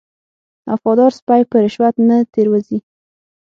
وفادار سپی په رشوت نه تیر وځي.